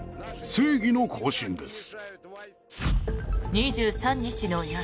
２３日の夜